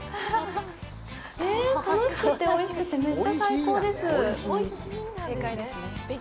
え、楽しくって、おいしくって、めっちゃ最高です。